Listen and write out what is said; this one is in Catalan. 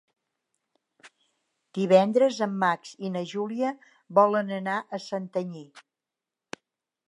Divendres en Max i na Júlia volen anar a Santanyí.